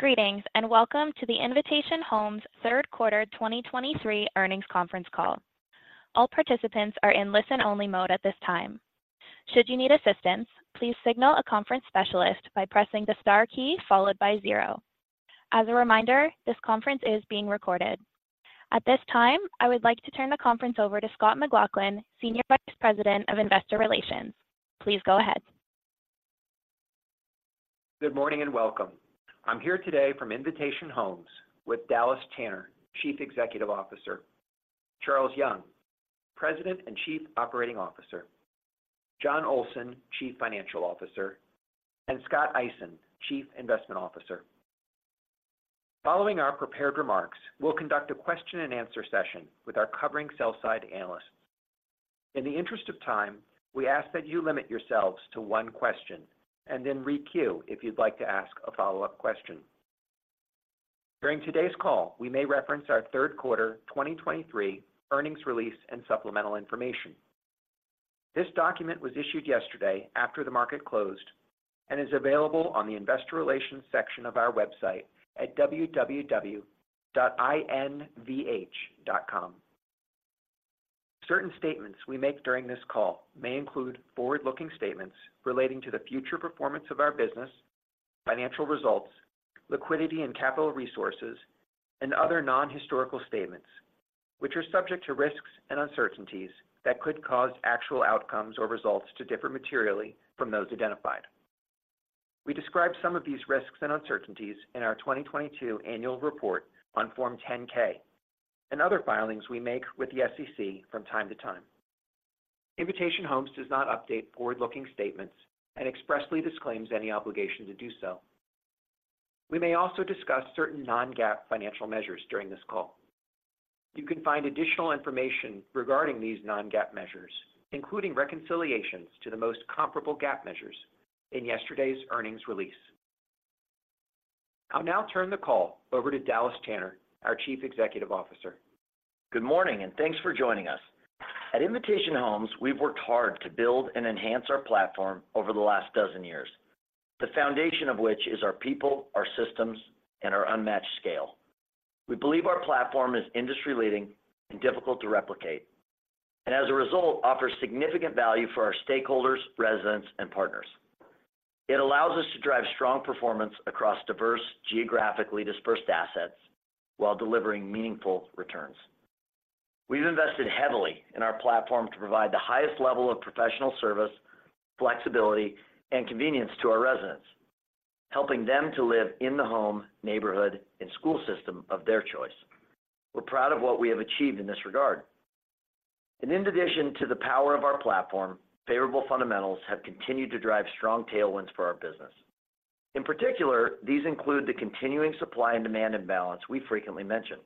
Greetings, and welcome to the Invitation Homes Third Quarter 2023 Earnings Conference Call. All participants are in listen-only mode at this time. Should you need assistance, please signal a conference specialist by pressing the star key followed by zero. As a reminder, this conference is being recorded. At this time, I would like to turn the conference over to Scott McLaughlin, Senior Vice President of Investor Relations. Please go ahead. Good morning, and welcome. I'm here today from Invitation Homes with Dallas Tanner, Chief Executive Officer, Charles Young, President and Chief Operating Officer, Jon Olsen, Chief Financial Officer, and Scott Eisen, Chief Investment Officer. Following our prepared remarks, we'll conduct a question-and-answer session with our covering sell-side analysts. In the interest of time, we ask that you limit yourselves to one question and then re-queue if you'd like to ask a follow-up question. During today's call, we may reference our third quarter 2023 earnings release and supplemental information. This document was issued yesterday after the market closed and is available on the Investor Relations section of our website at www.invh.com. Certain statements we make during this call may include forward-looking statements relating to the future performance of our business, financial results, liquidity and capital resources, and other non-historical statements, which are subject to risks and uncertainties that could cause actual outcomes or results to differ materially from those identified. We describe some of these risks and uncertainties in our 2022 annual report on Form 10-K and other filings we make with the SEC from time to time. Invitation Homes does not update forward-looking statements and expressly disclaims any obligation to do so. We may also discuss certain non-GAAP financial measures during this call. You can find additional information regarding these non-GAAP measures, including reconciliations to the most comparable GAAP measures, in yesterday's earnings release. I'll now turn the call over to Dallas Tanner, our Chief Executive Officer. Good morning, and thanks for joining us. At Invitation Homes, we've worked hard to build and enhance our platform over the last dozen years, the foundation of which is our people, our systems, and our unmatched scale. We believe our platform is industry-leading and difficult to replicate, and as a result, offers significant value for our stakeholders, residents, and partners. It allows us to drive strong performance across diverse, geographically dispersed assets while delivering meaningful returns. We've invested heavily in our platform to provide the highest level of professional service, flexibility, and convenience to our residents, helping them to live in the home, neighborhood, and school system of their choice. We're proud of what we have achieved in this regard. In addition to the power of our platform, favorable fundamentals have continued to drive strong tailwinds for our business. In particular, these include the continuing supply and demand imbalance we frequently mention.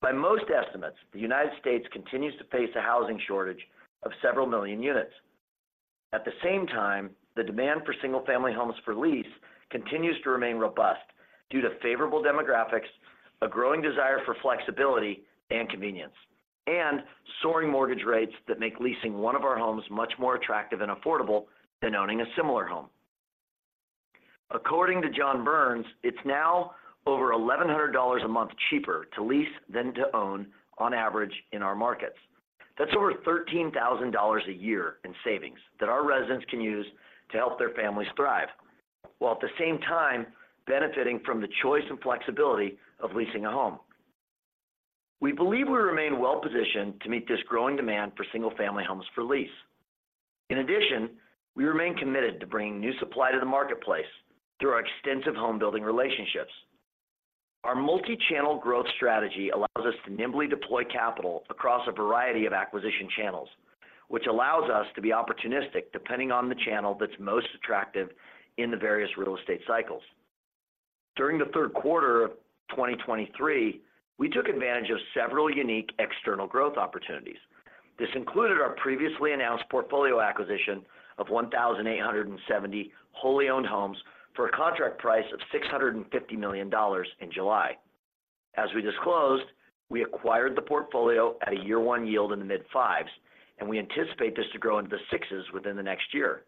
By most estimates, the United States continues to face a housing shortage of several million units. At the same time, the demand for single-family homes for lease continues to remain robust due to favorable demographics, a growing desire for flexibility and convenience, and soaring mortgage rates that make leasing one of our homes much more attractive and affordable than owning a similar home. According to John Burns, it's now over $1,100 a month cheaper to lease than to own on average in our markets. That's over $13,000 a year in savings that our residents can use to help their families thrive, while at the same time benefiting from the choice and flexibility of leasing a home. We believe we remain well positioned to meet this growing demand for single-family homes for lease. In addition, we remain committed to bringing new supply to the marketplace through our extensive home building relationships. Our multi-channel growth strategy allows us to nimbly deploy capital across a variety of acquisition channels, which allows us to be opportunistic depending on the channel that's most attractive in the various real estate cycles. During the third quarter of 2023, we took advantage of several unique external growth opportunities. This included our previously announced portfolio acquisition of 1,870 wholly owned homes for a contract price of $650 million in July. As we disclosed, we acquired the portfolio at a year one yield in the mid-fives, and we anticipate this to grow into the sixes within the next year.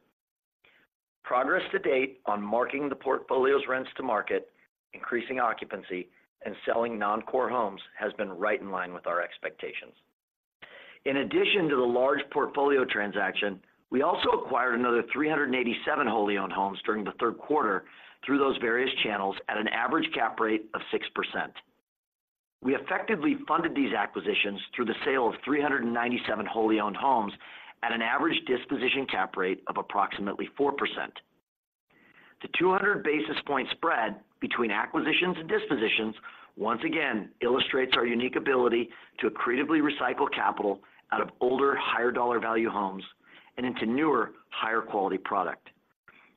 Progress to date on marking the portfolio's rents to market, increasing occupancy, and selling non-core homes has been right in line with our expectations. In addition to the large portfolio transaction, we also acquired another 387 wholly owned homes during the third quarter through those various channels at an average cap rate of 6%. We effectively funded these acquisitions through the sale of 397 wholly owned homes at an average disposition cap rate of approximately 4%. The 200 basis points spread between acquisitions and dispositions once again illustrates our unique ability to accretively recycle capital out of older, higher dollar value homes and into newer, higher quality product.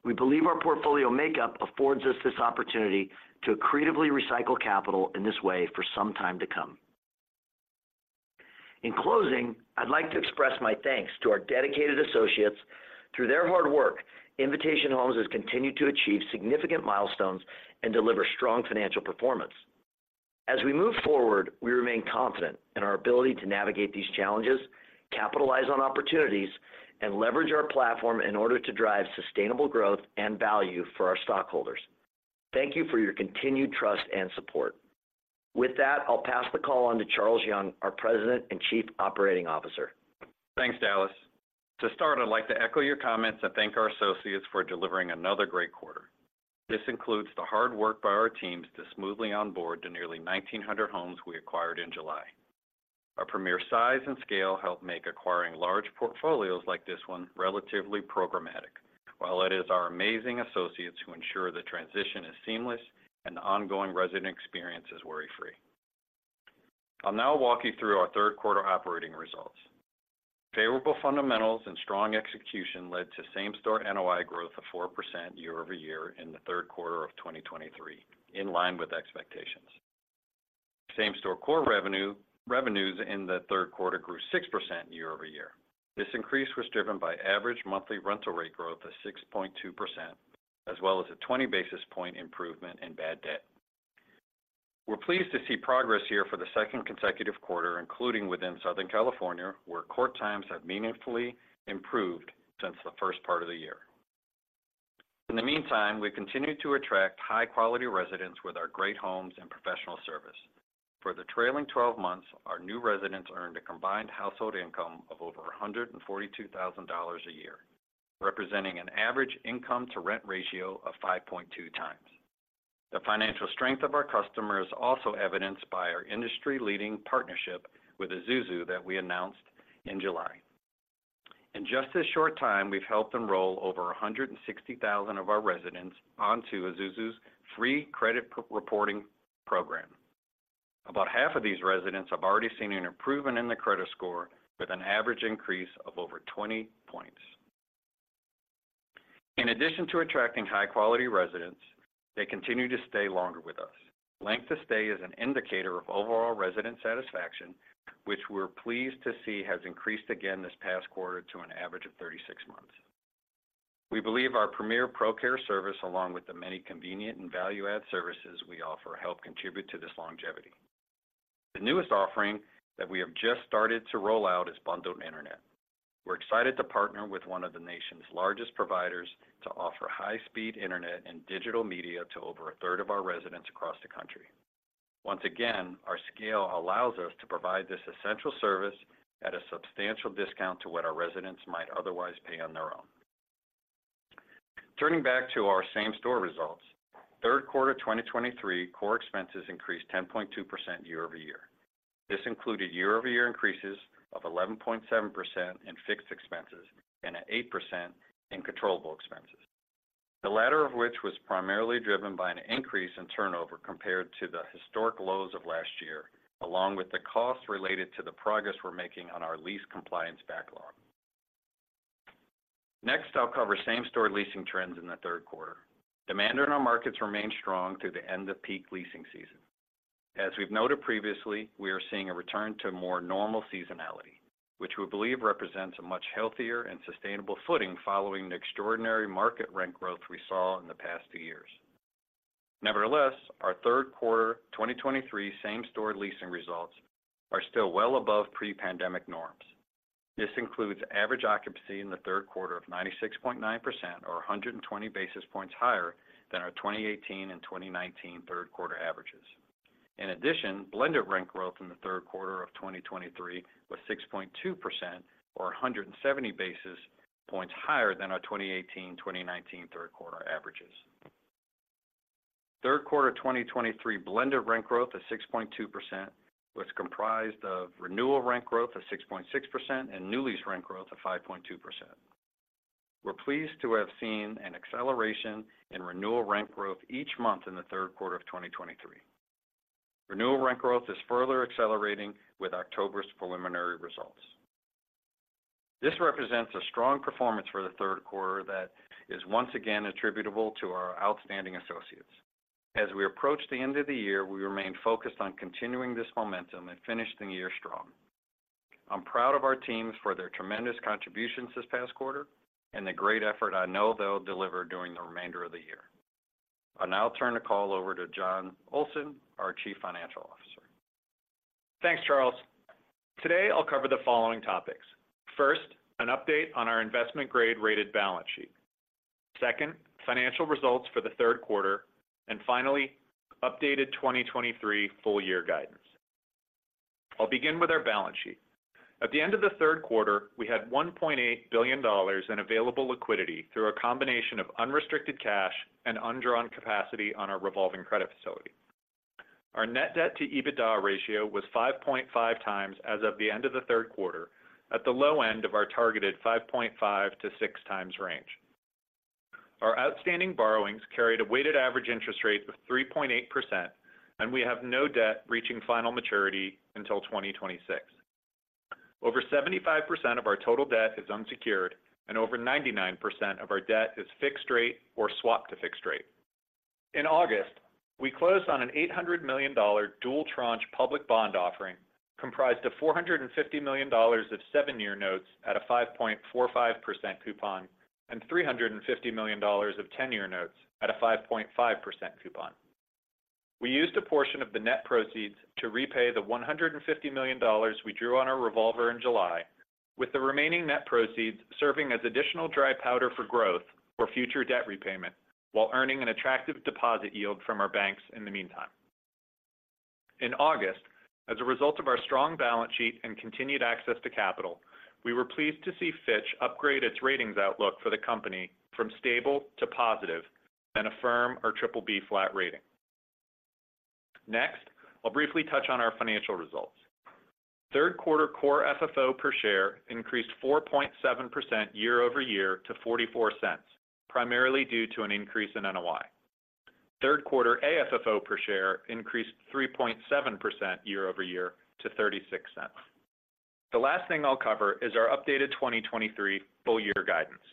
We believe our portfolio makeup affords us this opportunity to accretively recycle capital in this way for some time to come. In closing, I'd like to express my thanks to our dedicated associates. Through their hard work, Invitation Homes has continued to achieve significant milestones and deliver strong financial performance. As we move forward, we remain confident in our ability to navigate these challenges, capitalize on opportunities, and leverage our platform in order to drive sustainable growth and value for our stockholders. Thank you for your continued trust and support. With that, I'll pass the call on to Charles Young, our President and Chief Operating Officer. Thanks, Dallas. To start, I'd like to echo your comments and thank our associates for delivering another great quarter. This includes the hard work by our teams to smoothly onboard the nearly 1,900 homes we acquired in July. Our premier size and scale help make acquiring large portfolios like this one relatively programmatic, while it is our amazing associates who ensure the transition is seamless and the ongoing resident experience is worry-free. I'll now walk you through our third quarter operating results. Favorable fundamentals and strong execution led to same-store NOI growth of 4% year-over-year in the third quarter of 2023, in line with expectations. Same-store core revenue, revenues in the third quarter grew 6% year-over-year. This increase was driven by average monthly rental rate growth of 6.2%, as well as a 20 basis point improvement in bad debt. We're pleased to see progress here for the second consecutive quarter, including within Southern California, where court times have meaningfully improved since the first part of the year. In the meantime, we continue to attract high-quality residents with our great homes and professional service. For the trailing twelve months, our new residents earned a combined household income of over $142,000 a year, representing an average income to rent ratio of 5.2x. The financial strength of our customer is also evidenced by our industry-leading partnership with Esusu that we announced in July. In just this short time, we've helped enroll over 160,000 of our residents onto Esusu's free credit reporting program. About half of these residents have already seen an improvement in their credit score, with an average increase of over 20 points. In addition to attracting high-quality residents, they continue to stay longer with us. Length of stay is an indicator of overall resident satisfaction, which we're pleased to see has increased again this past quarter to an average of 36 months. We believe our premier ProCare service, along with the many convenient and value-add services we offer, help contribute to this longevity. The newest offering that we have just started to roll out is bundled internet. We're excited to partner with one of the nation's largest providers to offer high-speed internet and digital media to over a third of our residents across the country. Once again, our scale allows us to provide this essential service at a substantial discount to what our residents might otherwise pay on their own. Turning back to our same-store results, third quarter 2023 core expenses increased 10.2% year-over-year. This included year-over-year increases of 11.7% in fixed expenses and at 8% in controllable expenses. The latter of which was primarily driven by an increase in turnover compared to the historic lows of last year, along with the costs related to the progress we're making on our lease compliance backlog. Next, I'll cover same-store leasing trends in the third quarter. Demand in our markets remained strong through the end of peak leasing season. As we've noted previously, we are seeing a return to more normal seasonality, which we believe represents a much healthier and sustainable footing following the extraordinary market rent growth we saw in the past two years. Nevertheless, our third quarter 2023 same-store leasing results are still well above pre-pandemic norms. This includes average occupancy in the third quarter of 96.9% or 120 basis points higher than our 2018 and 2019 third quarter averages. In addition, blended rent growth in the third quarter of 2023 was 6.2% or 170 basis points higher than our 2018, 2019 third quarter averages. Third quarter 2023 blended rent growth of 6.2% was comprised of renewal rent growth of 6.6% and new lease rent growth of 5.2%. We're pleased to have seen an acceleration in renewal rent growth each month in the third quarter of 2023. Renewal rent growth is further accelerating with October's preliminary results. This represents a strong performance for the third quarter that is once again attributable to our outstanding associates. As we approach the end of the year, we remain focused on continuing this momentum and finishing the year strong. I'm proud of our teams for their tremendous contributions this past quarter and the great effort I know they'll deliver during the remainder of the year. I'll now turn the call over to Jon Olsen, our Chief Financial Officer. Thanks, Charles. Today, I'll cover the following topics. First, an update on our investment-grade rated balance sheet. Second, financial results for the third quarter, and finally, updated 2023 full year guidance. I'll begin with our balance sheet. At the end of the third quarter, we had $1.8 billion in available liquidity through a combination of unrestricted cash and undrawn capacity on our revolving credit facility. Our net debt to EBITDA ratio was 5.5x as of the end of the third quarter, at the low end of our targeted 5.5x-6x range. Our outstanding borrowings carried a weighted average interest rate of 3.8%, and we have no debt reaching final maturity until 2026. Over 75% of our total debt is unsecured, and over 99% of our debt is fixed rate or swapped to fixed rate. In August, we closed on an $800 million dual tranche public bond offering comprised of $450 million of seven year notes at a 5.45% coupon, and $350 million of 10-year notes at a 5.5% coupon. We used a portion of the net proceeds to repay the $150 million we drew on our revolver in July, with the remaining net proceeds serving as additional dry powder for growth or future debt repayment, while earning an attractive deposit yield from our banks in the meantime. In August, as a result of our strong balance sheet and continued access to capital, we were pleased to see Fitch upgrade its ratings outlook for the company from stable to positive and affirm our BBB flat rating. Next, I'll briefly touch on our financial results. Third quarter Core FFO per share increased 4.7% year-over-year to $0.44, primarily due to an increase in NOI. Third quarter AFFO per share increased 3.7% year-over-year to $0.36. The last thing I'll cover is our updated 2023 full-year guidance.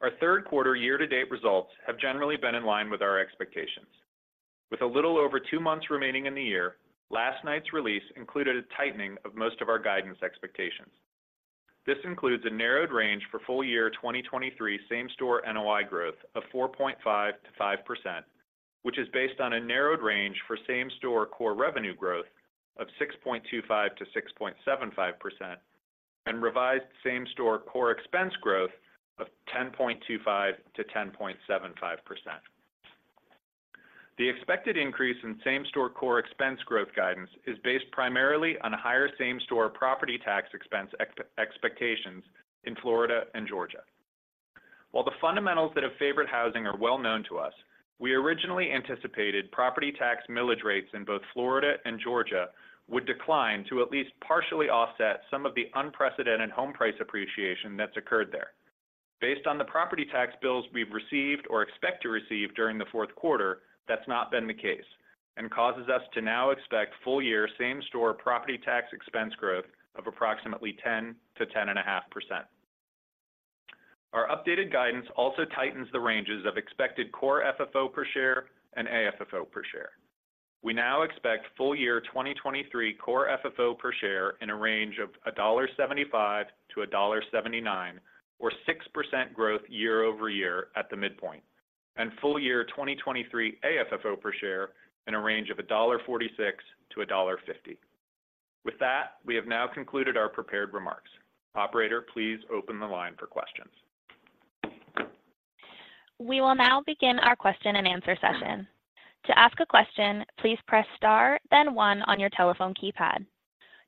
Our third quarter year-to-date results have generally been in line with our expectations. With a little over two months remaining in the year, last night's release included a tightening of most of our guidance expectations. This includes a narrowed range for full year 2023 same-store NOI growth of 4.5%-5%, which is based on a narrowed range for same-store core revenue growth of 6.25%-6.75%, and revised same-store core expense growth of 10.25%-10.75%. The expected increase in same-store core expense growth guidance is based primarily on a higher same-store property tax expense expectations in Florida and Georgia. While the fundamentals that have favored housing are well known to us, we originally anticipated property tax millage rates in both Florida and Georgia would decline to at least partially offset some of the unprecedented home price appreciation that's occurred there. Based on the property tax bills we've received or expect to receive during the fourth quarter, that's not been the case, and causes us to now expect full year same-store property tax expense growth of approximately 10%-10.5%. Our updated guidance also tightens the ranges of expected Core FFO per share and AFFO per share. We now expect full year 2023 Core FFO per share in a range of $1.75-$1.79 or 6% growth year-over-year at the midpoint, and full year 2023 AFFO per share in a range of $1.46-$1.50. With that, we have now concluded our prepared remarks. Operator, please open the line for questions. We will now begin our question and answer session. To ask a question, please press star, then one on your telephone keypad.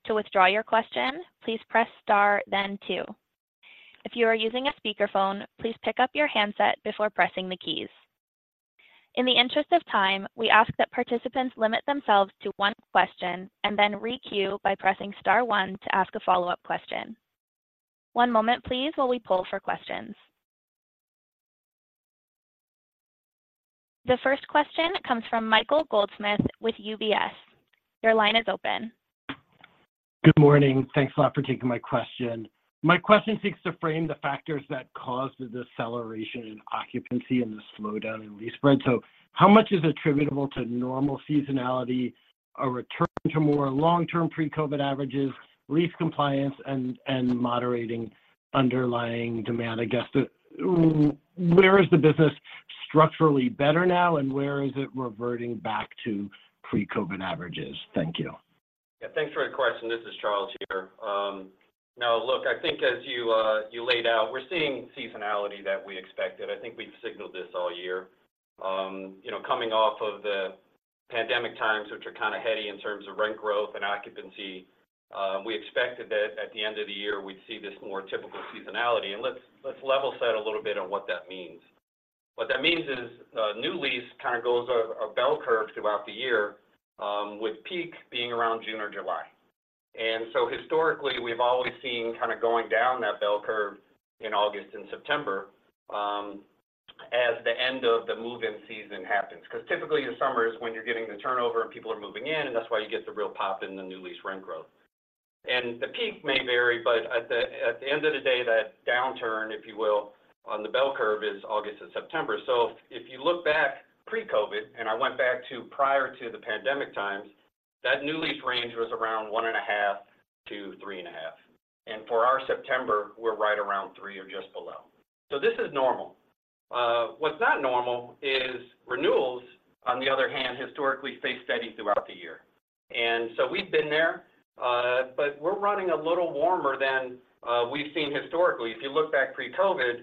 To withdraw your question, please press star, then two. If you are using a speakerphone, please pick up your handset before pressing the keys. In the interest of time, we ask that participants limit themselves to one question and then re-queue by pressing star one to ask a follow-up question. One moment, please, while we pull for questions. The first question comes from Michael Goldsmith with UBS. Your line is open. Good morning. Thanks a lot for taking my question. My question seeks to frame the factors that caused the deceleration in occupancy and the slowdown in lease spread. So how much is attributable to normal seasonality, a return to more long-term pre-COVID averages, lease compliance, and moderating underlying demand? I guess, the where is the business structurally better now, and where is it reverting back to pre-COVID averages? Thank you. Yeah, thanks for the question. This is Charles here. Now, look, I think as you laid out, we're seeing seasonality that we expected. I think we've signaled this all year. You know, coming off of the pandemic times, which are kind of heady in terms of rent growth and occupancy, we expected that at the end of the year, we'd see this more typical seasonality. And let's level set a little bit on what that means. What that means is, a new lease kind of goes a bell curve throughout the year, with peak being around June or July. And so historically, we've always seen kind of going down that bell curve in August and September, as the end of the move-in season happens. Because typically, the summer is when you're getting the turnover and people are moving in, and that's why you get the real pop in the new lease rent growth. The peak may vary, but at the end of the day, that downturn, if you will, on the bell curve, is August and September. If you look back pre-COVID, and I went back to prior to the pandemic times, that new lease range was around 1.5%-3.5%. For our September, we're right around 3% or just below. This is normal. What's not normal is renewals, on the other hand, historically, stay steady throughout the year. We've been there, but we're running a little warmer than we've seen historically. If you look back pre-COVID,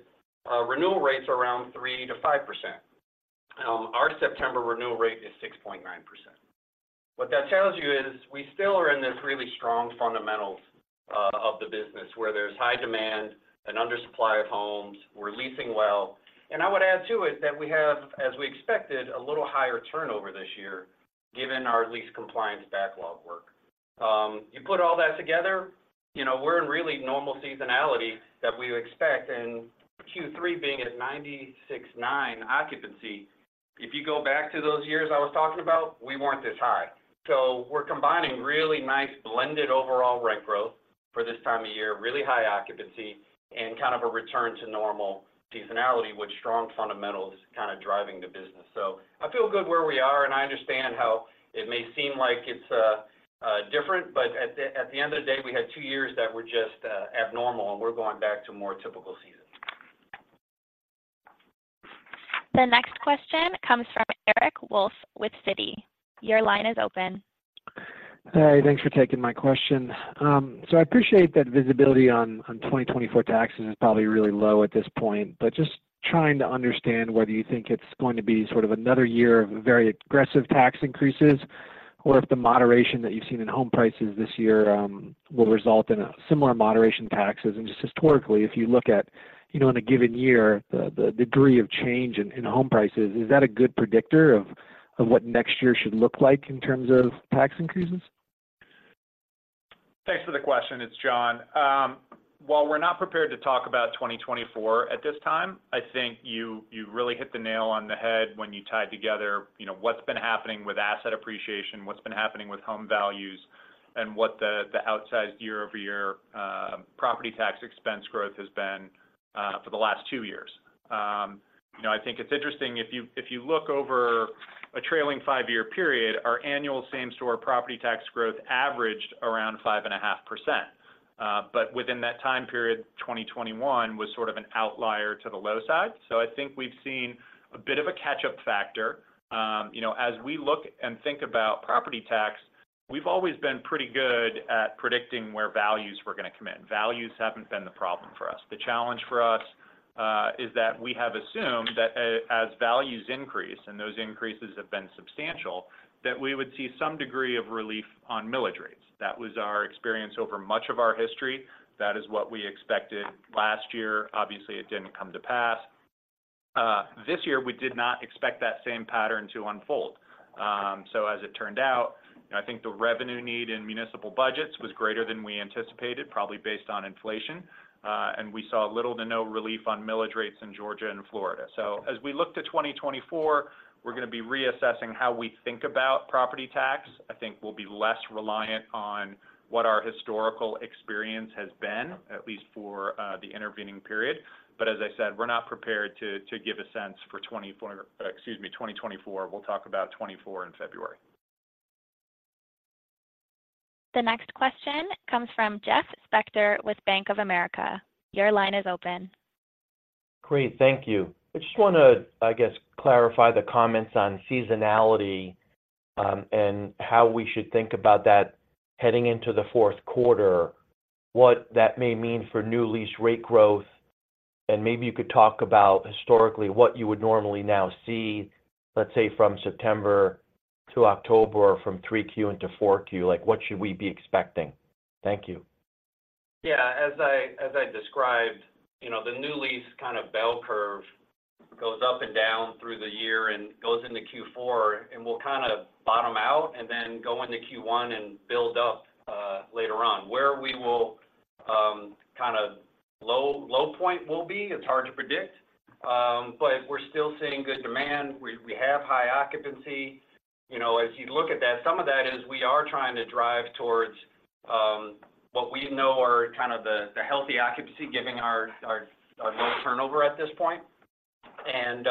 renewal rates are around 3%-5%. Our September renewal rate is 6.9%. What that tells you is, we still are in this really strong fundamentals of the business, where there's high demand and under supply of homes. We're leasing well. And I would add to it that we have, as we expected, a little higher turnover this year, given our lease compliance backlog work. You put all that together, you know, we're in really normal seasonality that we would expect, and Q3 being at 96.9% occupancy. If you go back to those years I was talking about, we weren't this high. So we're combining really nice blended overall rent growth for this time of year, really high occupancy, and kind of a return to normal seasonality with strong fundamentals kind of driving the business. I feel good where we are, and I understand how it may seem like it's different, but at the end of the day, we had two years that were just abnormal, and we're going back to a more typical season. The next question comes from Eric Wolfe with Citi. Your line is open. Hi, thanks for taking my question. So I appreciate that visibility on, on 2024 taxes is probably really low at this point, but just trying to understand whether you think it's going to be sort of another year of very aggressive tax increases, or if the moderation that you've seen in home prices this year, will result in a similar moderation taxes. And just historically, if you look at, you know, in a given year, the, the degree of change in, in home prices, is that a good predictor of, of what next year should look like in terms of tax increases? Thanks for the question. It's Jon. While we're not prepared to talk about 2024 at this time, I think you really hit the nail on the head when you tied together, you know, what's been happening with asset appreciation, what's been happening with home values, and what the outsized year-over-year property tax expense growth has been for the last two years. You know, I think it's interesting, if you look over a trailing five year period, our annual same-store property tax growth averaged around 5.5%. But within that time period, 2021 was sort of an outlier to the low side. So I think we've seen a bit of a catch-up factor. You know, as we look and think about property tax, we've always been pretty good at predicting where values were gonna come in. Values haven't been the problem for us. The challenge for us, is that we have assumed that, as values increase, and those increases have been substantial, that we would see some degree of relief on millage rates. That was our experience over much of our history. That is what we expected last year. Obviously, it didn't come to pass. This year, we did not expect that same pattern to unfold. So as it turned out, I think the revenue need in municipal budgets was greater than we anticipated, probably based on inflation, and we saw little to no relief on millage rates in Georgia and Florida. So as we look to 2024, we're gonna be reassessing how we think about property tax. I think we'll be less reliant on what our historical experience has been, at least for, the intervening period. But as I said, we're not prepared to give a sense for 2024—excuse me, 2024. We'll talk about 2024 in February. The next question comes from Jeff Spector with Bank of America. Your line is open. Great. Thank you. I just want to, I guess, clarify the comments on seasonality, and how we should think about that heading into the fourth quarter, what that may mean for new lease rate growth, and maybe you could talk about historically what you would normally now see, let's say, from September to October or from Q3 into Q4. Like, what should we be expecting? Thank you. Yeah. As I, as I described, you know, the new lease kind of bell curve goes up and down through the year and goes into Q4, and we'll kind of bottom out and then go into Q1 and build up later on. Where we will kind of low, low point will be, it's hard to predict, but we're still seeing good demand. We, we have high occupancy. You know, as you look at that, some of that is we are trying to drive towards what we know are kind of the, the healthy occupancy, giving our, our, our low turnover at this point. And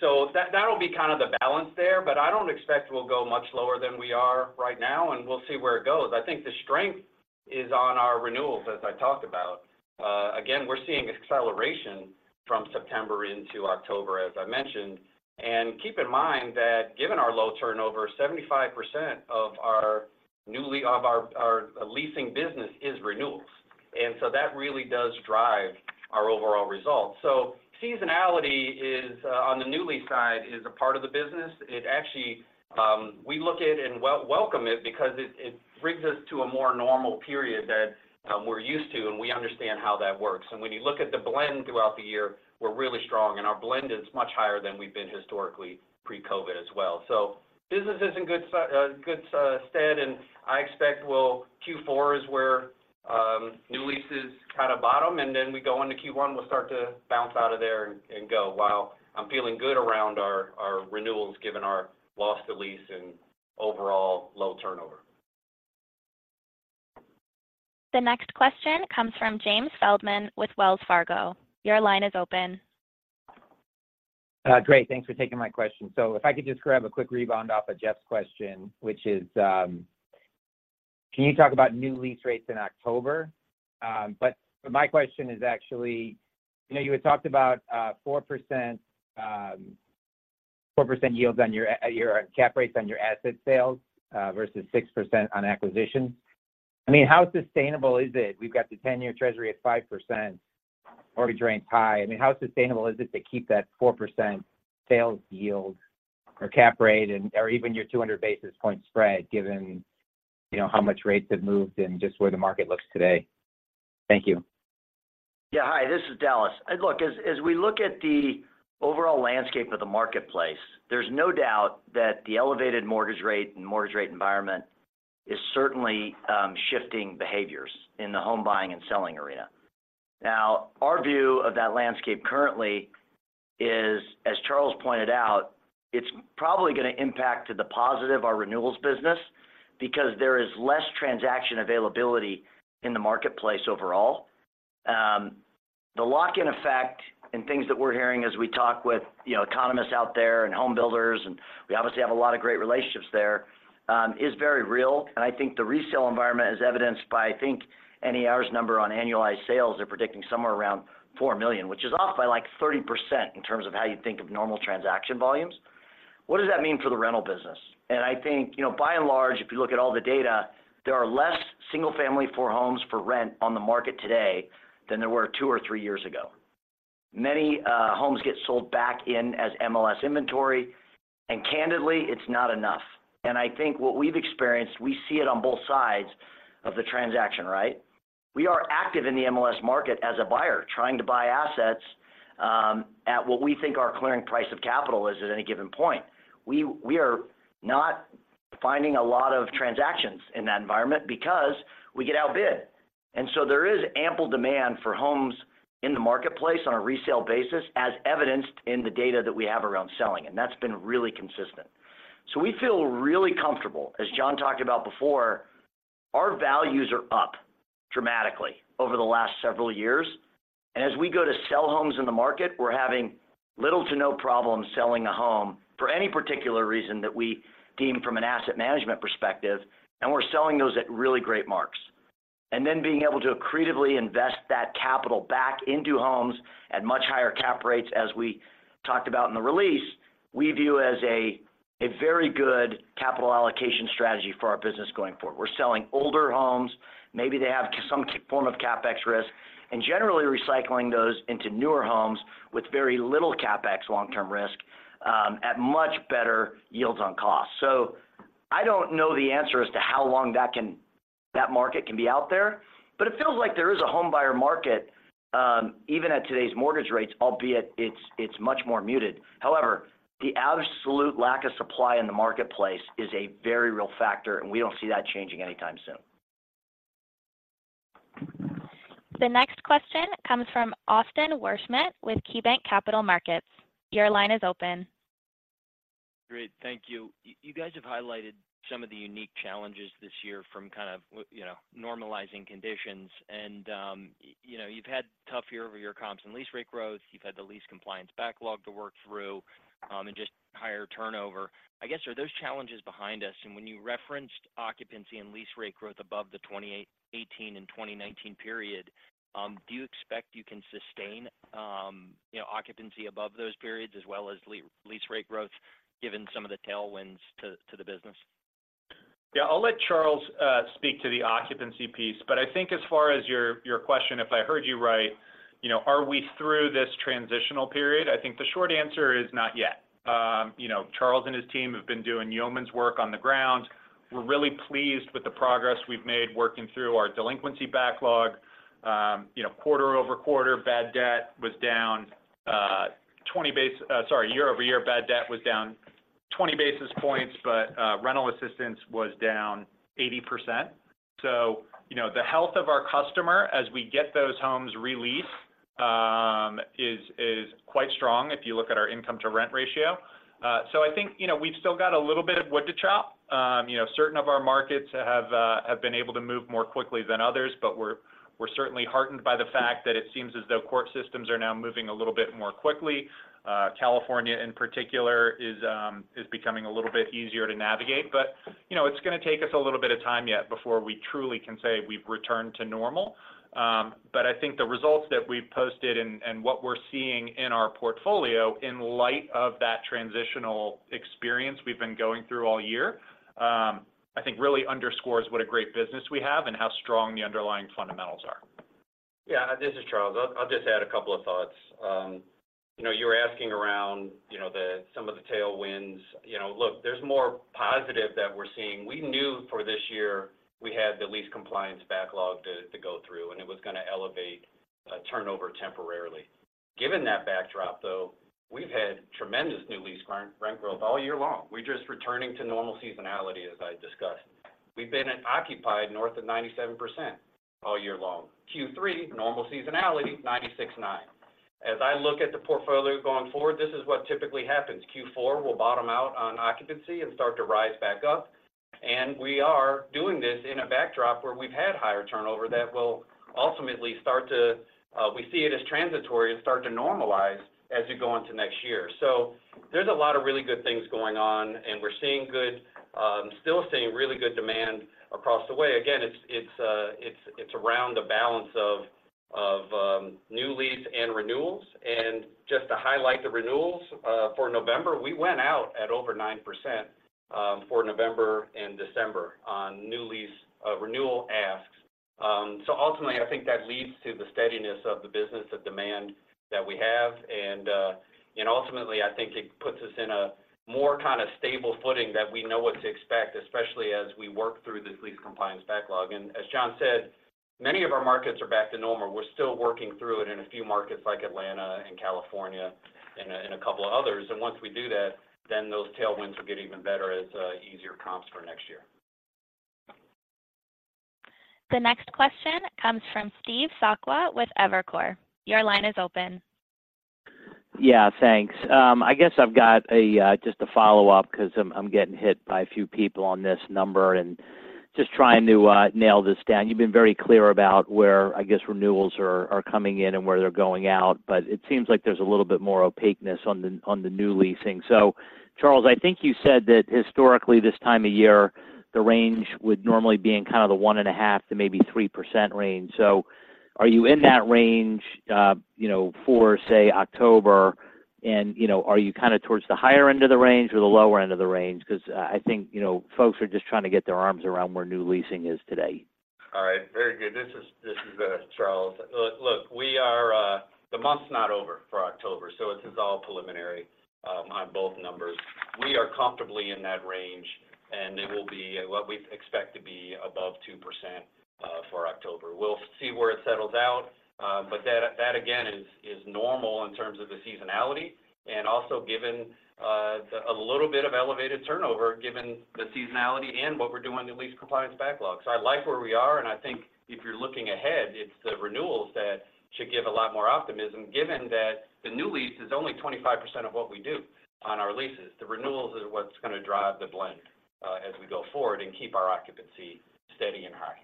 so that, that'll be kind of the balance there, but I don't expect we'll go much lower than we are right now, and we'll see where it goes. I think the strength is on our renewals, as I talked about. Again, we're seeing acceleration from September into October, as I mentioned. Keep in mind that given our low turnover, 75% of our leasing business is renewals, and so that really does drive our overall results. So seasonality is on the new lease side, is a part of the business. It actually, we look at it and welcome it because it brings us to a more normal period that we're used to, and we understand how that works. When you look at the blend throughout the year, we're really strong, and our blend is much higher than we've been historically pre-COVID as well. So business is in good stead, and I expect, well, Q4 is where new leases kind of bottom, and then we go into Q1, we'll start to bounce out of there and go, while I'm feeling good around our renewals, given our loss to lease and overall low turnover. The next question comes from Jamie Feldman with Wells Fargo. Your line is open. Great. Thanks for taking my question. So if I could just grab a quick rebound off of Jeff's question, which is: Can you talk about new lease rates in October? But my question is actually... You know, you had talked about 4%, 4% yields on your cap rates on your asset sales, versus 6% on acquisition. I mean, how sustainable is it? We've got the 10-year Treasury at 5%, mortgage rates high. I mean, how sustainable is it to keep that 4% sales yield or cap rate and, or even your 200 basis point spread, given, you know, how much rates have moved and just where the market looks today? Thank you. Yeah. Hi, this is Dallas. Look, as we look at the overall landscape of the marketplace, there's no doubt that the elevated mortgage rate and mortgage rate environment is certainly shifting behaviors in the home buying and selling arena. Now, our view of that landscape currently is, as Charles pointed out, it's probably going to impact to the positive our renewals business, because there is less transaction availability in the marketplace overall. The lock-in effect and things that we're hearing as we talk with, you know, economists out there and home builders, and we obviously have a lot of great relationships there, is very real, and I think the resale environment is evidenced by, I think, NAR's number on annualized sales, they're predicting somewhere around $4 million, which is off by, like, 30% in terms of how you'd think of normal transaction volumes. What does that mean for the rental business? I think, you know, by and large, if you look at all the data, there are less single-family for homes for rent on the market today than there were two or three years ago. Many homes get sold back in as MLS inventory, and candidly, it's not enough. I think what we've experienced, we see it on both sides of the transaction, right? We are active in the MLS market as a buyer, trying to buy assets at what we think our clearing price of capital is at any given point. We are not finding a lot of transactions in that environment because we get outbid. There is ample demand for homes in the marketplace on a resale basis, as evidenced in the data that we have around selling, and that's been really consistent. So we feel really comfortable. As Jon talked about before, our values are up dramatically over the last several years, and as we go to sell homes in the market, we're having little to no problem selling a home for any particular reason that we deem from an asset management perspective, and we're selling those at really great marks. And then being able to accretively invest that capital back into homes at much higher cap rates, as we talked about in the release, we view as a very good capital allocation strategy for our business going forward. We're selling older homes, maybe they have some form of CapEx risk, and generally recycling those into newer homes with very little CapEx long-term risk, at much better yields on cost. So I don't know the answer as to how long that market can be out there, but it feels like there is a homebuyer market, even at today's mortgage rates, albeit it's, it's much more muted. However, the absolute lack of supply in the marketplace is a very real factor, and we don't see that changing anytime soon. The next question comes from Austin Wurschmidt with KeyBanc Capital Markets. Your line is open. Great, thank you. You guys have highlighted some of the unique challenges this year from kind of you know, normalizing conditions. And you know, you've had tough year-over-year comps and lease rate growth. You've had the lease compliance backlog to work through, and just higher turnover. I guess, are those challenges behind us? And when you referenced occupancy and lease rate growth above the 2018 and 2019 period, do you expect you can sustain you know, occupancy above those periods as well as lease rate growth, given some of the tailwinds to the business? Yeah, I'll let Charles speak to the occupancy piece, but I think as far as your question, if I heard you right, you know, are we through this transitional period? I think the short answer is not yet. You know, Charles and his team have been doing yeoman's work on the ground. We're really pleased with the progress we've made working through our delinquency backlog. You know, quarter-over-quarter, bad debt was down, but sorry, year-over-year, bad debt was down 20 basis points, but rental assistance was down 80%. So, you know, the health of our customer as we get those homes re-leased is quite strong if you look at our income-to-rent ratio. So I think, you know, we've still got a little bit of wood to chop. You know, certain of our markets have, have been able to move more quickly than others, but we're certainly heartened by the fact that it seems as though court systems are now moving a little bit more quickly. California, in particular, is becoming a little bit easier to navigate. You know, it's going to take us a little bit of time yet before we truly can say we've returned to normal. I think the results that we've posted and, and what we're seeing in our portfolio in light of that transitional experience we've been going through all year, I think really underscores what a great business we have and how strong the underlying fundamentals are. Yeah. This is Charles. I'll just add a couple of thoughts. You know, you were asking around, you know, the some of the tailwinds. You know, look, there's more positive that we're seeing. We knew for this year we had the lease compliance backlog to go through, and it was going to elevate turnover temporarily. Given that backdrop, though, we've had tremendous new lease rent growth all year long. We're just returning to normal seasonality, as I discussed. We've been at occupied north of 97% all year long. Q3, normal seasonality, 96.9%. As I look at the portfolio going forward, this is what typically happens. Q4 will bottom out on occupancy and start to rise back up, and we are doing this in a backdrop where we've had higher turnover that will ultimately start to, we see it as transitory and start to normalize as we go into next year. So there's a lot of really good things going on, and we're seeing good, still seeing really good demand across the way. Again, it's around the balance of new lease and renewals. And just to highlight the renewals, for November, we went out at over 9%, for November and December on new lease, renewal asks. Ultimately, I think that leads to the steadiness of the business, the demand that we have, and ultimately, I think it puts us in a more kind of stable footing that we know what to expect, especially as we work through this lease compliance backlog. As Jon said, many of our markets are back to normal. We're still working through it in a few markets like Atlanta and California and a couple of others. Once we do that, then those tailwinds will get even better as easier comps for next year. The next question comes from Steve Sakwa with Evercore. Your line is open. Yeah, thanks. I guess I've got a just a follow-up because I'm getting hit by a few people on this number and just trying to nail this down. You've been very clear about where, I guess, renewals are coming in and where they're going out, but it seems like there's a little bit more opaqueness on the new leasing. So Charles, I think you said that historically, this time of year, the range would normally be in kind of the 1.5% to maybe 3% range. So are you in that range, you know, for, say, October? And, you know, are you kind of towards the higher end of the range or the lower end of the range? Because, I think, you know, folks are just trying to get their arms around where new leasing is today. All right. Very good. This is Charles. Look, we are... the month's not over for October, so this is all preliminary on both numbers. We are comfortably in that range, and it will be what we expect to be above 2% for October. We'll see where it settles out, but that, again, is normal in terms of the seasonality and also given the—a little bit of elevated turnover, given the seasonality and what we're doing in the lease compliance backlog. So I like where we are, and I think if you're looking ahead, it's the renewals that should give a lot more optimism, given that the new lease is only 25% of what we do on our leases. The renewals are what's going to drive the blend, as we go forward and keep our occupancy steady and high.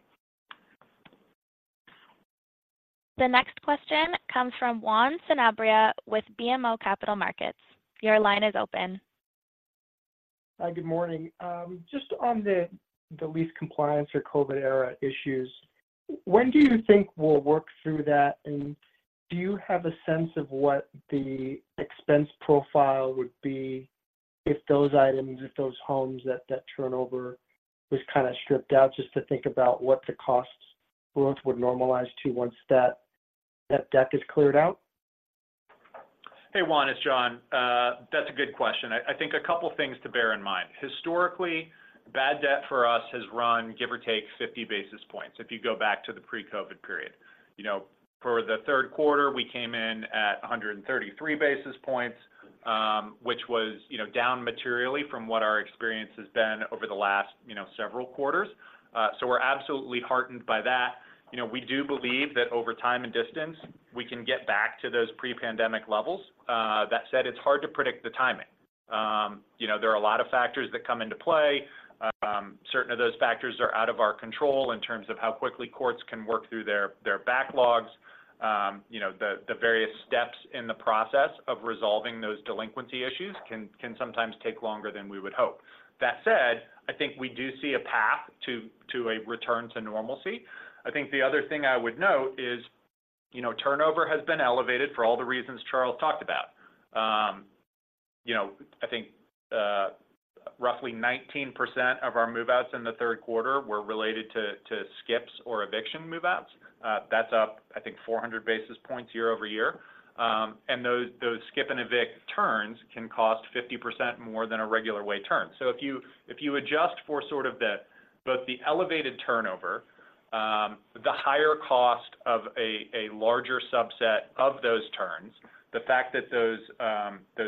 The next question comes from Juan Sanabria with BMO Capital Markets. Your line is open. Hi, good morning. Just on the lease compliance or COVID-era issues, when do you think we'll work through that? And do you have a sense of what the expense profile would be if those items, if those homes, that turnover was kind of stripped out, just to think about what the costs would normalize to once that deck is cleared out? Hey, Juan, it's Jon. That's a good question. I think a couple things to bear in mind. Historically, bad debt for us has run, give or take, 50 basis points, if you go back to the pre-COVID period. You know, for the third quarter, we came in at 133 basis points, which was, you know, down materially from what our experience has been over the last, you know, several quarters. So we're absolutely heartened by that. You know, we do believe that over time and distance, we can get back to those pre-pandemic levels. That said, it's hard to predict the timing. You know, there are a lot of factors that come into play. Certain of those factors are out of our control in terms of how quickly courts can work through their backlogs. You know, the various steps in the process of resolving those delinquency issues can sometimes take longer than we would hope. That said, I think we do see a path to a return to normalcy. I think the other thing I would note is, you know, turnover has been elevated for all the reasons Charles talked about. You know, I think roughly 19% of our move-outs in the third quarter were related to skips or eviction move-outs. That's up, I think, 400 basis points year over year. And those skip and evict turns can cost 50% more than a regular way turn. So if you adjust for sort of the both the elevated turnover, the higher cost of a larger subset of those turns, the fact that those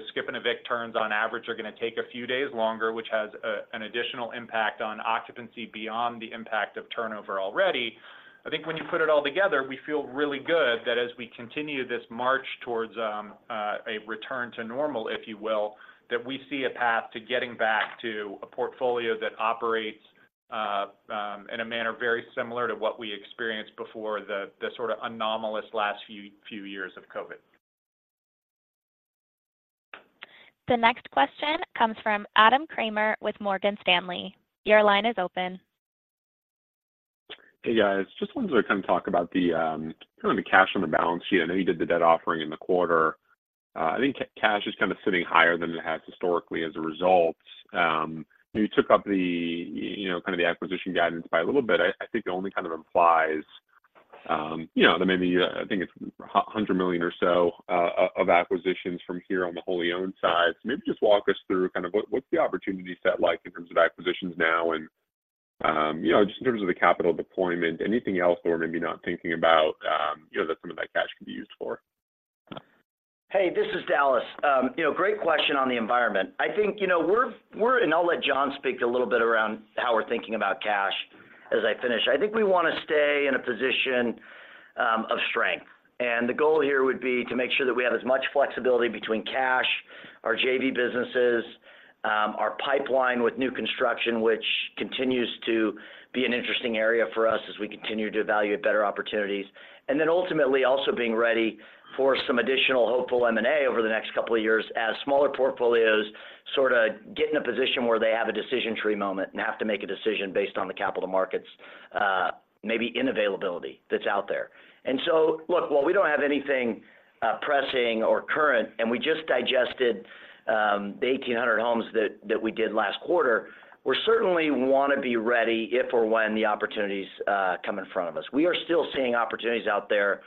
skip and evict turns on average are going to take a few days longer, which has an additional impact on occupancy beyond the impact of turnover already. I think when you put it all together, we feel really good that as we continue this march towards a return to normal, if you will, that we see a path to getting back to a portfolio that operates in a manner very similar to what we experienced before the sort of anomalous last few years of COVID. The next question comes from Adam Kramer with Morgan Stanley. Your line is open. Hey, guys. Just wanted to kind of talk about the kind of the cash on the balance sheet. I know you did the debt offering in the quarter. I think cash is kind of sitting higher than it has historically as a result. You took up the, you know, kind of the acquisition guidance by a little bit. I think it only kind of implies, you know, that maybe I think it's $100 million or so of acquisitions from here on the wholly owned side. So maybe just walk us through kind of what, what's the opportunity set like in terms of acquisitions now, and you know, just in terms of the capital deployment, anything else that we're maybe not thinking about, you know, that some of that cash could be used for? Hey, this is Dallas. You know, great question on the environment. I think, you know, we're – and I'll let Jon speak a little bit around how we're thinking about cash as I finish. I think we want to stay in a position of strength, and the goal here would be to make sure that we have as much flexibility between cash, our JV businesses, our pipeline with new construction, which continues to be an interesting area for us as we continue to evaluate better opportunities, and then ultimately also being ready for some additional hopeful M&A over the next couple of years as smaller portfolios sort of get in a position where they have a decision tree moment and have to make a decision based on the capital markets, maybe in availability that's out there. Look, while we don't have anything pressing or current, and we just digested the 1,800 homes that we did last quarter, we certainly want to be ready if or when the opportunities come in front of us. We are still seeing opportunities out there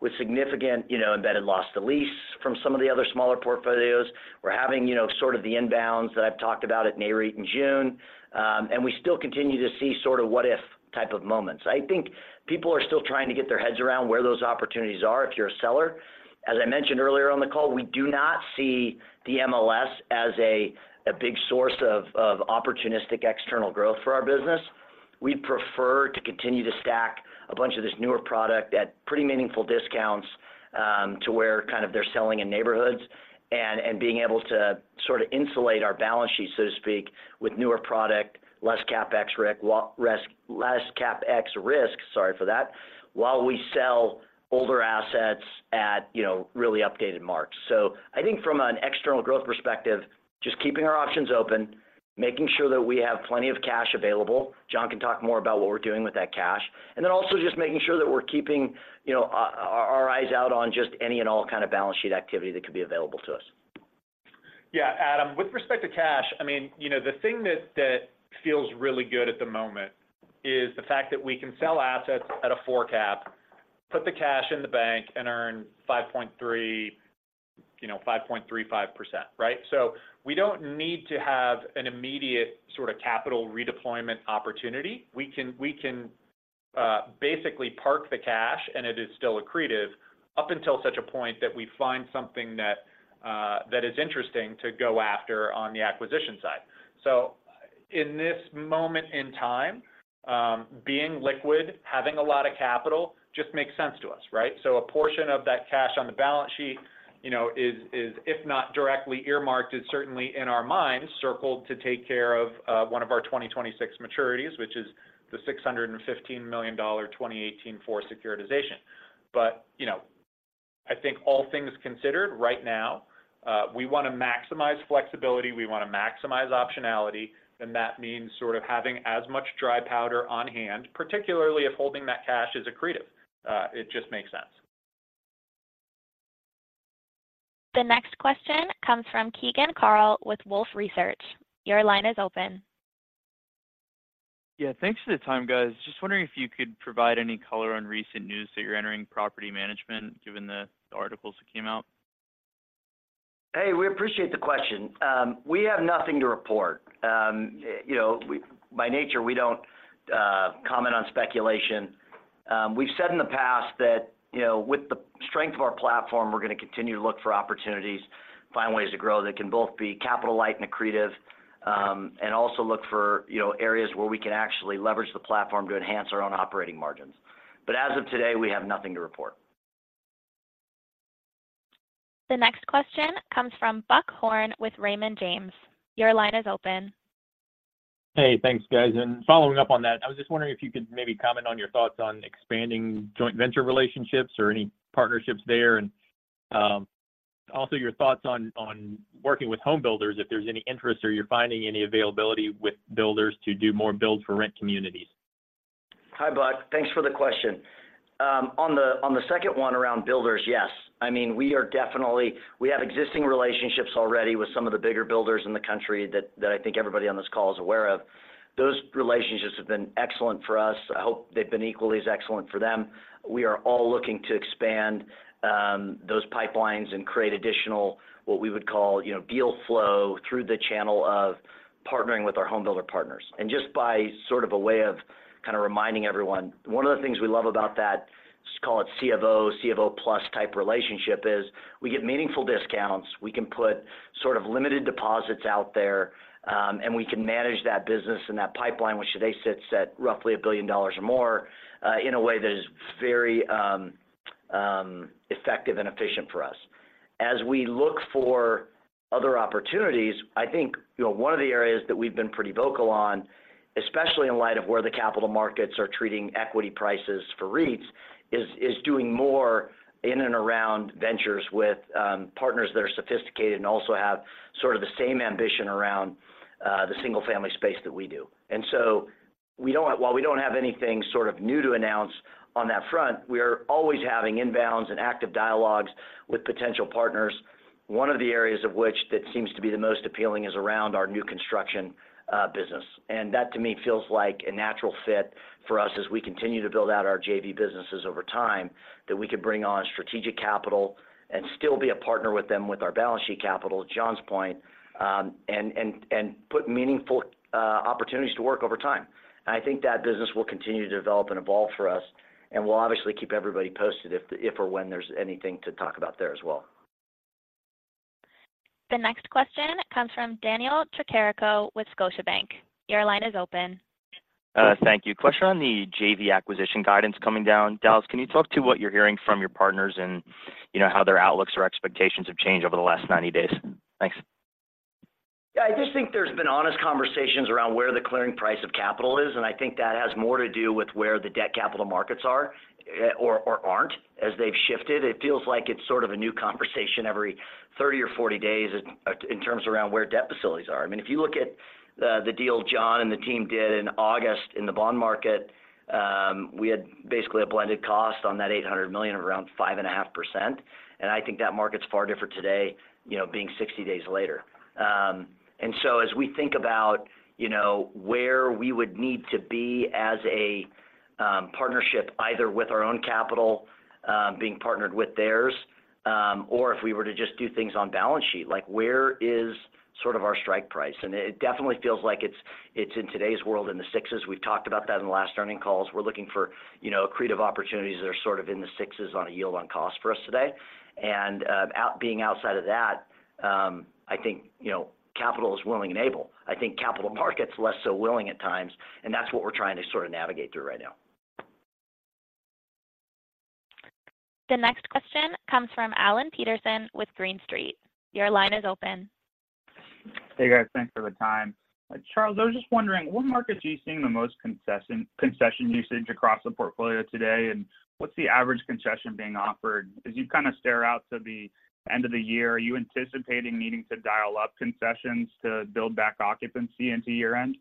with significant, you know, embedded loss to lease from some of the other smaller portfolios. We're having, you know, sort of the inbounds that I've talked about at NAREIT in June, and we still continue to see sort of what if type of moments. I think people are still trying to get their heads around where those opportunities are if you're a seller. As I mentioned earlier on the call, we do not see the MLS as a big source of opportunistic external growth for our business. We'd prefer to continue to stack a bunch of this newer product at pretty meaningful discounts to where kind of they're selling in neighborhoods and being able to sort of insulate our balance sheet, so to speak, with newer product, less CapEx risk, sorry for that, while we sell older assets at, you know, really updated marks. So I think from an external growth perspective, just keeping our options open, making sure that we have plenty of cash available. Jon can talk more about what we're doing with that cash. And then also just making sure that we're keeping, you know, our eyes out on just any and all kind of balance sheet activity that could be available to us. Yeah, Adam, with respect to cash, I mean, you know, the thing that, that feels really good at the moment is the fact that we can sell assets at a 4 cap, put the cash in the bank, and earn 5.3%, you know, 5.35%, right? So we don't need to have an immediate sort of capital redeployment opportunity. We can, we can, basically park the cash, and it is still accretive up until such a point that we find something that, that is interesting to go after on the acquisition side. So in this moment in time, being liquid, having a lot of capital, just makes sense to us, right? So a portion of that cash on the balance sheet, you know, is, if not directly earmarked, is certainly in our minds, circled to take care of one of our 2026 maturities, which is the $615 million 2018-4 securitization. But, you know, I think all things considered, right now, we want to maximize flexibility, we want to maximize optionality, and that means sort of having as much dry powder on hand, particularly if holding that cash is accretive. It just makes sense. The next question comes from Keegan Carl with Wolfe Research. Your line is open. Yeah, thanks for the time, guys. Just wondering if you could provide any color on recent news that you're entering property management, given the articles that came out? Hey, we appreciate the question. We have nothing to report. You know, by nature, we don't comment on speculation. We've said in the past that, you know, with the strength of our platform, we're going to continue to look for opportunities, find ways to grow that can both be capital light and accretive, and also look for, you know, areas where we can actually leverage the platform to enhance our own operating margins. But as of today, we have nothing to report. The next question comes from Buck Horne with Raymond James. Your line is open. Hey, thanks, guys. And following up on that, I was just wondering if you could maybe comment on your thoughts on expanding joint venture relationships or any partnerships there, and also your thoughts on working with home builders, if there's any interest or you're finding any availability with builders to do more build-for-rent communities? Hi, Buck. Thanks for the question. On the second one around builders, yes. I mean, we are definitely. We have existing relationships already with some of the bigger builders in the country that I think everybody on this call is aware of. Those relationships have been excellent for us. I hope they've been equally as excellent for them. We are all looking to expand those pipelines and create additional, what we would call, you know, deal flow through the channel of partnering with our home builder partners. Just by sort of a way of kind of reminding everyone, one of the things we love about that, let's call it C of O, C of O plus type relationship is, we get meaningful discounts, we can put sort of limited deposits out there, and we can manage that business and that pipeline, which today sits at roughly $1 billion or more, in a way that is very effective and efficient for us. As we look for other opportunities, I think, you know, one of the areas that we've been pretty vocal on, especially in light of where the capital markets are treating equity prices for REITs, is doing more in and around ventures with partners that are sophisticated and also have sort of the same ambition around the single-family space that we do. We don't-- while we don't have anything sort of new to announce on that front, we are always having inbounds and active dialogues with potential partners. One of the areas of which that seems to be the most appealing is around our new construction business. That, to me, feels like a natural fit for us as we continue to build out our JV businesses over time, that we could bring on strategic capital and still be a partner with them with our balance sheet capital, to Jon's point, and put meaningful opportunities to work over time. I think that business will continue to develop and evolve for us, and we'll obviously keep everybody posted if or when there's anything to talk about there as well. The next question comes from Daniel Tricarico with Scotiabank. Your line is open. Thank you. Question on the JV acquisition guidance coming down. Dallas, can you talk to what you're hearing from your partners and, you know, how their outlooks or expectations have changed over the last 90 days? Thanks. Yeah, I just think there's been honest conversations around where the clearing price of capital is, and I think that has more to do with where the debt capital markets are, or aren't, as they've shifted. It feels like it's sort of a new conversation every 30 or 40 days, in terms around where debt facilities are. I mean, if you look at the deal Jon and the team did in August in the bond market, we had basically a blended cost on that $800 million of around 5.5%. And I think that market's far different today, you know, being 60 days later. And so as we think about, you know, where we would need to be as a partnership, either with our own capital, being partnered with theirs, or if we were to just do things on balance sheet, like where is sort of our strike price. And it, it definitely feels like it's, it's in today's world, in the sixes. We've talked about that in the last earnings calls. We're looking for, you know, creative opportunities that are sort of in the sixes on a yield on cost for us today. And outside of that, I think, you know, capital is willing and able. I think capital markets, less so willing at times, and that's what we're trying to sort of navigate through right now. The next question comes from Alan Peterson with Green Street. Your line is open. Hey, guys. Thanks for the time. Charles, I was just wondering, what markets are you seeing the most concession, concession usage across the portfolio today, and what's the average concession being offered? As you kind of stare out to the end of the year, are you anticipating needing to dial up concessions to build back occupancy into year-end?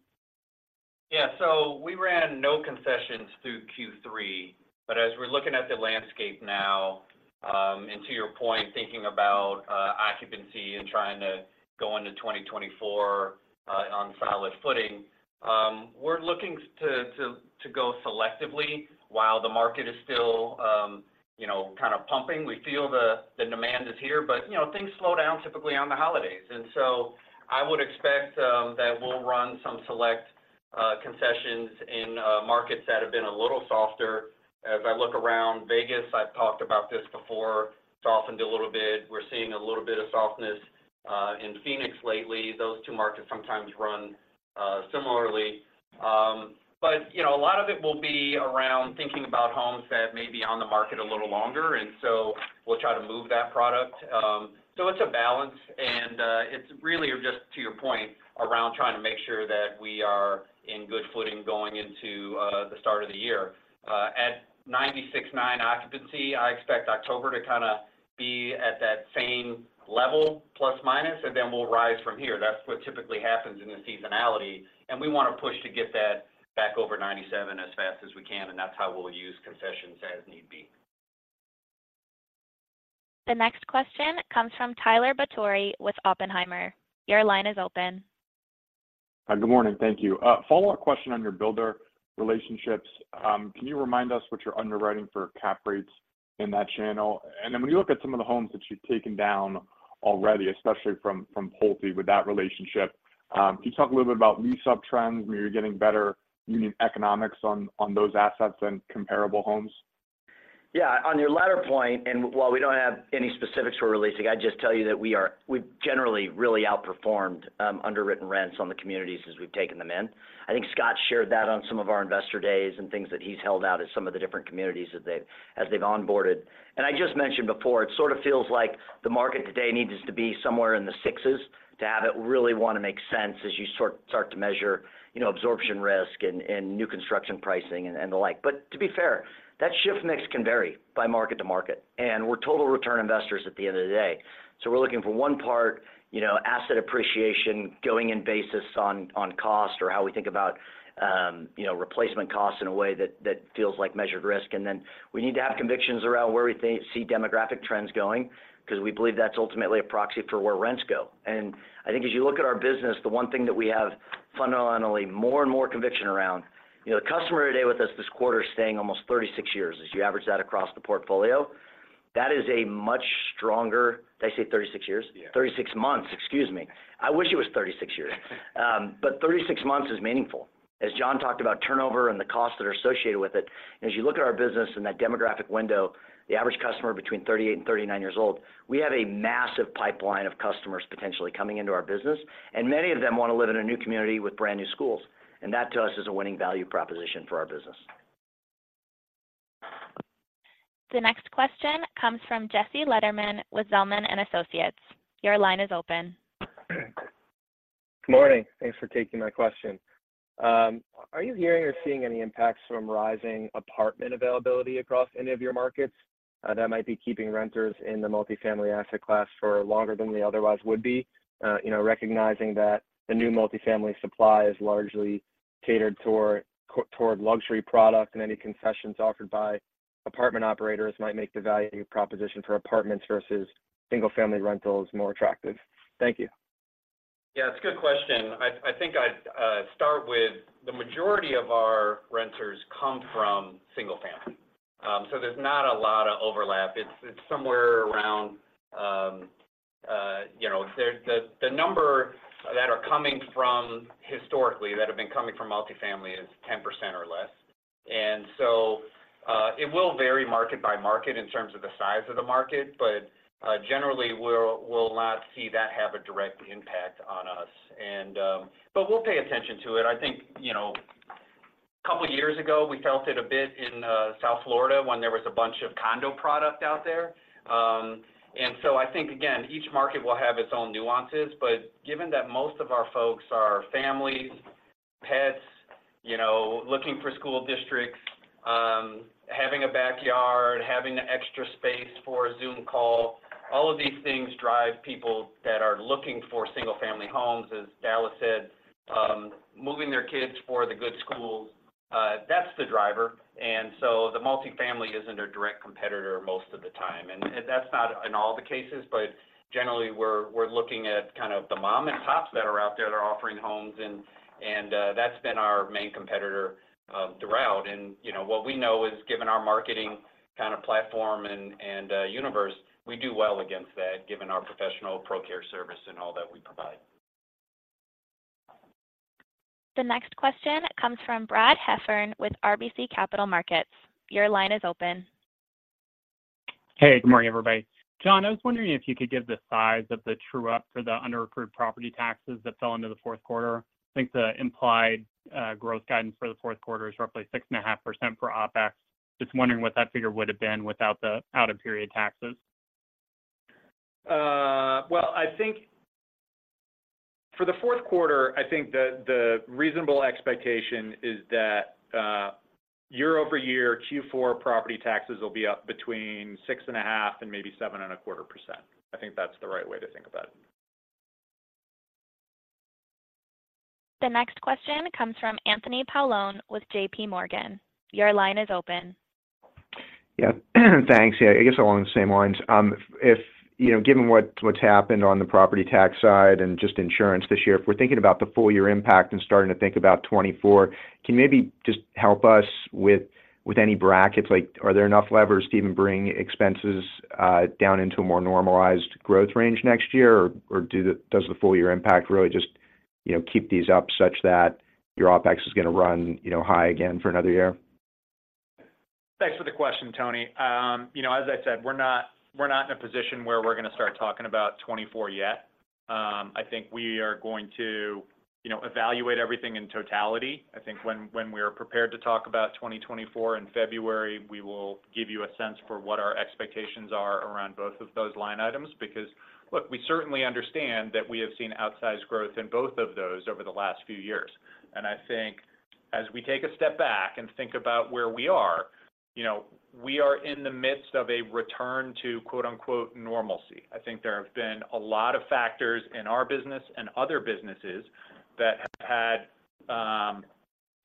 Yeah, so we ran no concessions through Q3. But as we're looking at the landscape now, and to your point, thinking about occupancy and trying to go into 2024 on solid footing, we're looking to go selectively while the market is still, you know, kind of pumping. We feel the demand is here, but, you know, things slow down typically on the holidays. And so I would expect that we'll run some select concessions in markets that have been a little softer. As I look around Vegas, I've talked about this before, softened a little bit. We're seeing a little bit of softness in Phoenix lately. Those two markets sometimes run similarly. But, you know, a lot of it will be around thinking about homes that may be on the market a little longer, and so we'll try to move that product. So it's a balance, and, it's really just to your point, around trying to make sure that we are in good footing going into the start of the year. At 96.9% occupancy, I expect October to kind of be at that same level, ±, and then we'll rise from here. That's what typically happens in the seasonality, and we want to push to get that back over 97% as fast as we can, and that's how we'll use concessions as need be. The next question comes from Tyler Batory with Oppenheimer. Your line is open. Hi, good morning. Thank you. A follow-up question on your builder relationships. Can you remind us what you're underwriting for cap rates in that channel? And then when you look at some of the homes that you've taken down already, especially from, from Pulte, with that relationship, can you talk a little bit about lease-up trends, where you're getting better unit economics on those assets than comparable homes? Yeah, on your latter point, and while we don't have any specifics we're releasing, I'd just tell you that we've generally really outperformed underwritten rents on the communities as we've taken them in. I think Scott shared that on some of our investor days and things that he's held out as some of the different communities that they've as they've onboarded. And I just mentioned before, it sort of feels like the market today needs to be somewhere in the sixes to have it really want to make sense as you start to measure, you know, absorption risk and new construction pricing and the like. But to be fair, that shift mix can vary by market to market, and we're total return investors at the end of the day. So we're looking for one part, you know, asset appreciation, going in basis on, on cost or how we think about, you know, replacement costs in a way that feels like measured risk. And then we need to have convictions around where we think-- see demographic trends going, 'cause we believe that's ultimately a proxy for where rents go. And I think as you look at our business, the one thing that we have fundamentally more and more conviction around, you know, the customer today with us this quarter is staying almost 36 years. As you average that across the portfolio, that is a much stronger- Did I say 36 years? Yeah. 36 months, excuse me. I wish it was 36 years. But 36 months is meaningful. As Jon talked about turnover and the costs that are associated with it, as you look at our business and that demographic window, the average customer between 38 and 39 years old, we have a massive pipeline of customers potentially coming into our business, and many of them want to live in a new community with brand-new schools. And that, to us, is a winning value proposition for our business. The next question comes from Jesse Lederman with Zelman and Associates. Your line is open. Good morning. Thanks for taking my question. Are you hearing or seeing any impacts from rising apartment availability across any of your markets that might be keeping renters in the multifamily asset class for longer than they otherwise would be? You know, recognizing that the new multifamily supply is largely catered toward luxury product and any concessions offered by apartment operators might make the value proposition for apartments versus single-family rentals more attractive. Thank you. Yeah, it's a good question. I think I'd start with the majority of our renters come from single-family. So there's not a lot of overlap. It's somewhere around, you know... The number that are coming from historically, that have been coming from multifamily is 10% or less. And so, it will vary market by market in terms of the size of the market, but, generally, we'll not see that have a direct impact on us. And but we'll pay attention to it. I think, you know, a couple of years ago, we felt it a bit in South Florida when there was a bunch of condo product out there. And so I think, again, each market will have its own nuances, but given that most of our folks are families, pets, you know, looking for school districts, having a backyard, having the extra space for a Zoom call, all of these things drive people that are looking for single-family homes, as Dallas said, moving their kids for the good schools, that's the driver. And so the multifamily isn't a direct competitor most of the time. And that's not in all the cases, but generally, we're looking at kind of the mom and pops that are out there that are offering homes, and that's been our main competitor throughout. And you know, what we know is, given our marketing kind of platform and universe, we do well against that, given our professional ProCare service and all that we provide. The next question comes from Brad Heffern with RBC Capital Markets. Your line is open. Hey, good morning, everybody. Jon, I was wondering if you could give the size of the true-up for the under-accrued property taxes that fell into the fourth quarter. I think the implied growth guidance for the fourth quarter is roughly 6.5% for OpEx. Just wondering what that figure would have been without the out-of-period taxes. Well, I think for the fourth quarter, I think the reasonable expectation is that, year-over-year Q4 property taxes will be up between 6.5% and maybe 7.25%. I think that's the right way to think about it. The next question comes from Anthony Paolone with JPMorgan. Your line is open. Yeah. Thanks. Yeah, I guess along the same lines, if you know, given what's happened on the property tax side and just insurance this year, if we're thinking about the full year impact and starting to think about 2024, can you maybe just help us with any brackets? Like, are there enough levers to even bring expenses down into a more normalized growth range next year? Or does the full year impact really just keep these up such that your OpEx is going to run high again for another year? Thanks for the question, Tony. You know, as I said, we're not, we're not in a position where we're going to start talking about 2024 yet. I think we are going to, you know, evaluate everything in totality. I think when, when we are prepared to talk about 2024 in February, we will give you a sense for what our expectations are around both of those line items. Because, look, we certainly understand that we have seen outsized growth in both of those over the last few years. I think as we take a step back and think about where we are, you know, we are in the midst of a return to, quote-unquote, "normalcy." I think there have been a lot of factors in our business and other businesses that have had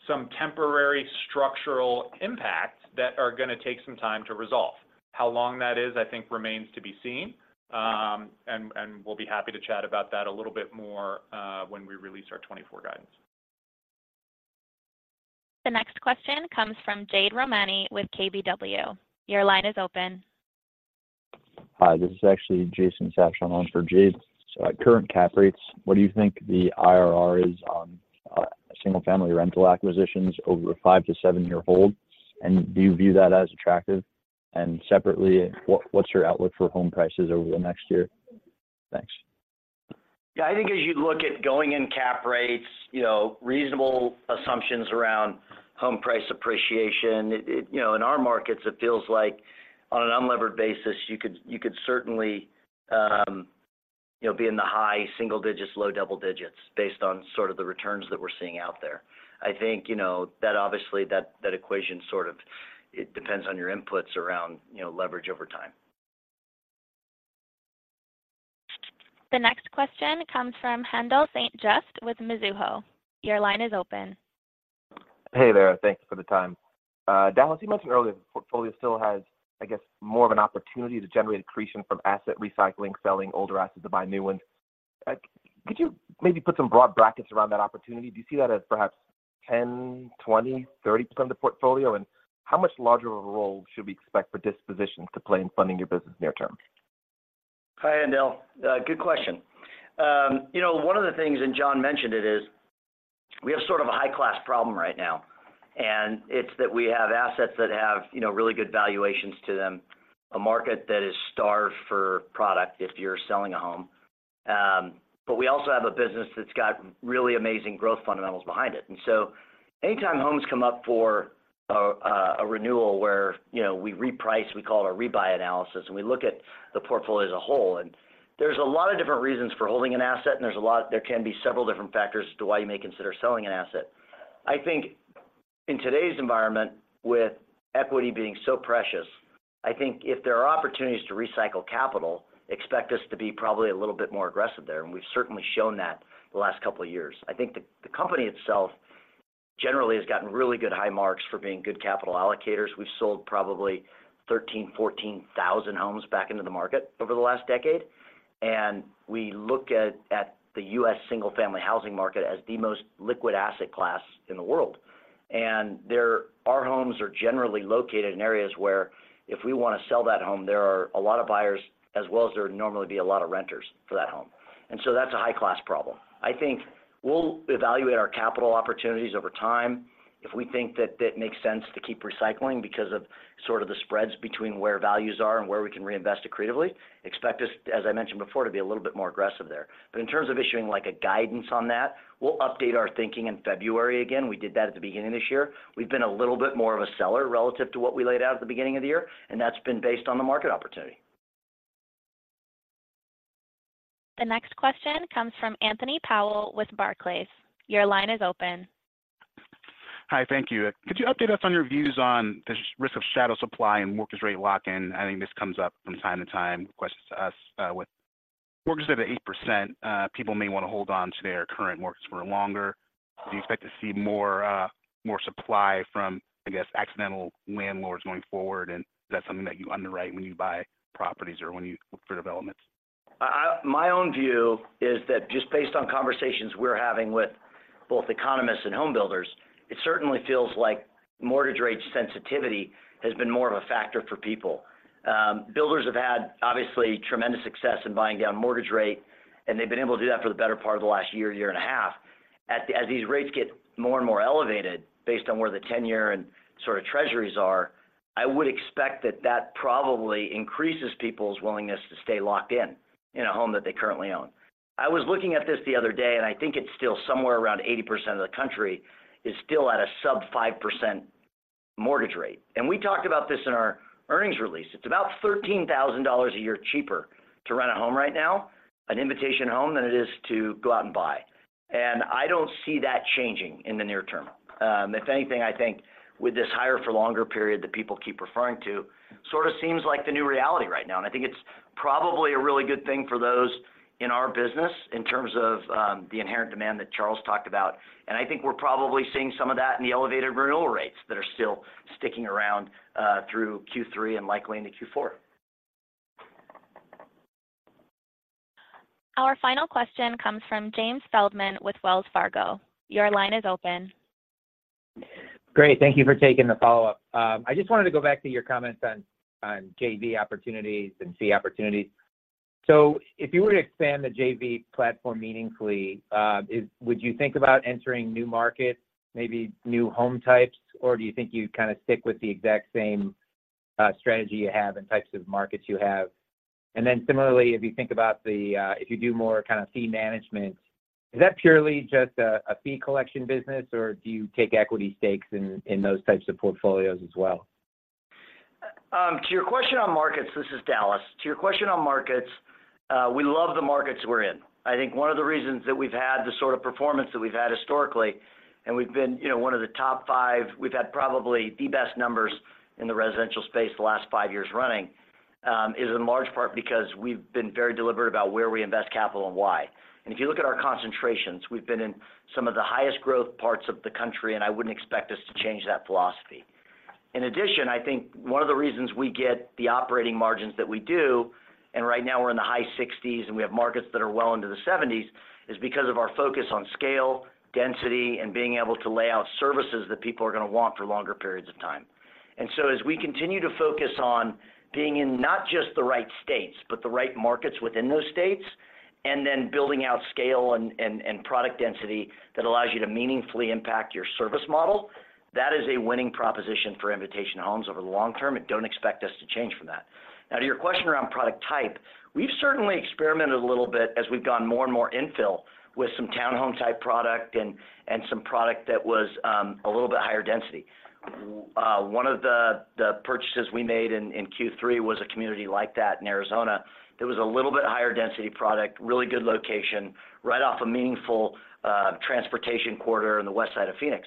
some temporary structural impacts that are going to take some time to resolve. How long that is, I think, remains to be seen. We'll be happy to chat about that a little bit more when we release our 2024 guidance. The next question comes from Jade Rahmani with KBW. Your line is open. Hi, this is actually Jason Sabshon on for Jade. So at current cap rates, what do you think the IRR is on single-family rental acquisitions over a 5-7-year hold? And do you view that as attractive? And separately, what's your outlook for home prices over the next year? Thanks. Yeah, I think as you look at going in cap rates, you know, reasonable assumptions around home price appreciation. You know, in our markets, it feels like on an unlevered basis, you could certainly, you know, be in the high single digits, low double digits, based on sort of the returns that we're seeing out there. I think, you know, that obviously, that equation sort of, it depends on your inputs around, you know, leverage over time. The next question comes from Haendel St. Juste with Mizuho. Your line is open. Hey there. Thank you for the time. Dallas, you mentioned earlier, the portfolio still has, I guess, more of an opportunity to generate accretion from asset recycling, selling older assets to buy new ones. Could you maybe put some broad brackets around that opportunity? Do you see that as perhaps 10%, 20%, 30% of the portfolio? And how much larger of a role should we expect for dispositions to play in funding your business near term? Hi, Haendel. Good question. You know, one of the things, and Jon mentioned it, is we have sort of a high-class problem right now, and it's that we have assets that have, you know, really good valuations to them, a market that is starved for product if you're selling a home. But we also have a business that's got really amazing growth fundamentals behind it. And so anytime homes come up for a renewal where, you know, we reprice, we call it a rebuy analysis, and we look at the portfolio as a whole. And there's a lot of different reasons for holding an asset, and there can be several different factors as to why you may consider selling an asset. I think in today's environment, with equity being so precious, I think if there are opportunities to recycle capital, expect us to be probably a little bit more aggressive there, and we've certainly shown that the last couple of years. I think the company itself generally has gotten really good high marks for being good capital allocators. We've sold probably 13,000-14,000 homes back into the market over the last decade, and we look at the U.S. single-family housing market as the most liquid asset class in the world. And there, our homes are generally located in areas where if we want to sell that home, there are a lot of buyers, as well as there would normally be a lot of renters for that home. And so that's a high-class problem. I think we'll evaluate our capital opportunities over time. If we think that it makes sense to keep recycling because of sort of the spreads between where values are and where we can reinvest accretively, expect us, as I mentioned before, to be a little bit more aggressive there. But in terms of issuing, like, a guidance on that, we'll update our thinking in February again. We did that at the beginning of this year. We've been a little bit more of a seller relative to what we laid out at the beginning of the year, and that's been based on the market opportunity. The next question comes from Anthony Powell with Barclays. Your line is open. Hi, thank you. Could you update us on your views on the risk of shadow supply and mortgage rate lock-in? I think this comes up from time to time, questions to us, with mortgages at 8%, people may want to hold on to their current mortgages for longer. Do you expect to see more, more supply from, I guess, accidental landlords going forward? And is that something that you underwrite when you buy properties or when you look for developments? I, my own view is that just based on conversations we're having with both economists and homebuilders, it certainly feels like mortgage rate sensitivity has been more of a factor for people. Builders have had obviously tremendous success in buying down mortgage rate, and they've been able to do that for the better part of the last year, year and a half. As these rates get more and more elevated based on where the ten-year and sort of treasuries are, I would expect that that probably increases people's willingness to stay locked in, in a home that they currently own. I was looking at this the other day, and I think it's still somewhere around 80% of the country is still at a sub 5% mortgage rate. We talked about this in our earnings release. It's about $13,000 a year cheaper to rent a home right now, at Invitation Homes, than it is to go out and buy. And I don't see that changing in the near term. If anything, I think with this higher for longer period that people keep referring to, sort of seems like the new reality right now. And I think it's probably a really good thing for those in our business in terms of the inherent demand that Charles talked about. And I think we're probably seeing some of that in the elevated renewal rates that are still sticking around through Q3 and likely into Q4. Our final question comes from James Feldman with Wells Fargo. Your line is open. Great. Thank you for taking the follow-up. I just wanted to go back to your comments on, on JV opportunities and fee opportunities. So if you were to expand the JV platform meaningfully, would you think about entering new markets, maybe new home types? Or do you think you'd kind of stick with the exact same strategy you have and types of markets you have? And then similarly, if you think about the, if you do more kind of fee management, is that purely just a, a fee collection business, or do you take equity stakes in, in those types of portfolios as well? To your question on markets. This is Dallas. To your question on markets, we love the markets we're in. I think one of the reasons that we've had the sort of performance that we've had historically, and we've been, you know, one of the top five, we've had probably the best numbers in the residential space the last five years running, is in large part because we've been very deliberate about where we invest capital and why. And if you look at our concentrations, we've been in some of the highest growth parts of the country, and I wouldn't expect us to change that philosophy. In addition, I think one of the reasons we get the operating margins that we do, and right now we're in the high 60s%, and we have markets that are well into the 70s%, is because of our focus on scale, density, and being able to lay out services that people are going to want for longer periods of time. And so as we continue to focus on being in not just the right states, but the right markets within those states, and then building out scale and product density that allows you to meaningfully impact your service model, that is a winning proposition for Invitation Homes over the long term, and don't expect us to change from that. Now, to your question around product type, we've certainly experimented a little bit as we've gone more and more infill with some townhome-type product and some product that was a little bit higher density. One of the purchases we made in Q3 was a community like that in Arizona, that was a little bit higher density product, really good location, right off a meaningful transportation corridor on the west side of Phoenix.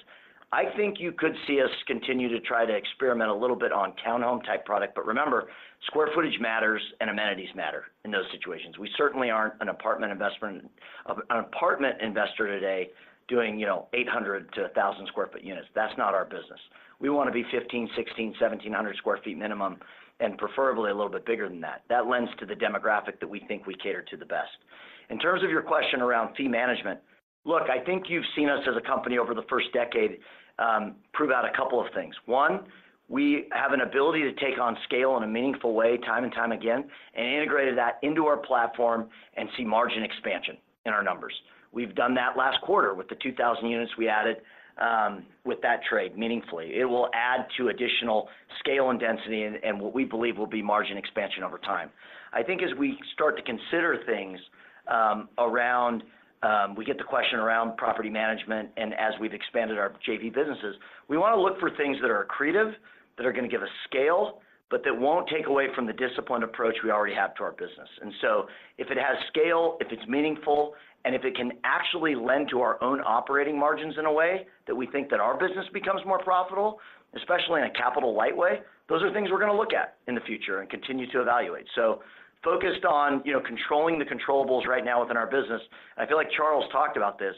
I think you could see us continue to try to experiment a little bit on townhome-type product, but remember, square footage matters and amenities matter in those situations. We certainly aren't an apartment investor today doing, you know, 800-1,000 sq ft units. That's not our business. We want to be 1,500, 1,600, 1,700 sq ft minimum, and preferably a little bit bigger than that. That lends to the demographic that we think we cater to the best. In terms of your question around fee management, look, I think you've seen us as a company over the first decade, prove out a couple of things. One, we have an ability to take on scale in a meaningful way, time and time again, and integrated that into our platform and see margin expansion in our numbers. We've done that last quarter with the 2,000 units we added, with that trade meaningfully. It will add to additional scale and density and what we believe will be margin expansion over time. I think as we start to consider things, around, we get the question around property management and as we've expanded our JV businesses, we want to look for things that are accretive, that are going to give us scale, but that won't take away from the disciplined approach we already have to our business. And so if it has scale, if it's meaningful, and if it can actually lend to our own operating margins in a way that we think that our business becomes more profitable, especially in a capital-light way, those are things we're going to look at in the future and continue to evaluate. So focused on, you know, controlling the controllables right now within our business. I feel like Charles talked about this.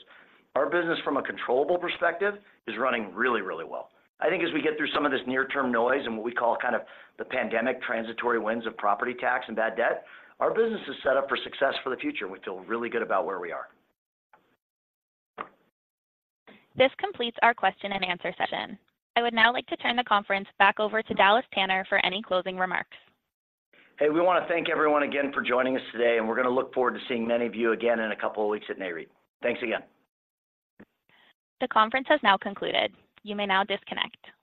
Our business from a controllable perspective is running really, really well. I think as we get through some of this near-term noise and what we call kind of the pandemic, transitory winds of property tax and bad debt, our business is set up for success for the future. We feel really good about where we are. This completes our question and answer session. I would now like to turn the conference back over to Dallas Tanner for any closing remarks. Hey, we want to thank everyone again for joining us today, and we're going to look forward to seeing many of you again in a couple of weeks at NAREIT. Thanks again. The conference has now concluded. You may now disconnect.